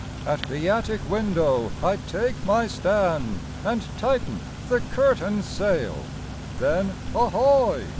At the attic window I take my stand. And tighten the curtain sail, Then, ahoy!